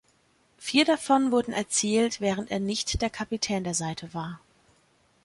Vier davon wurden erzielt, während er nicht der Kapitän der Seite war.